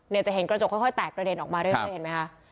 เนี่ยจะเห็นกระจกค่อยค่อยแตกประเด็นออกมาด้วยเข้าเห็นไหมฮะครับ